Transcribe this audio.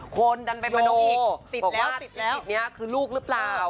คนดันไปบรรดีอีกบอกว่าติดกี๊ดนี้คือลูกหรือเปล่า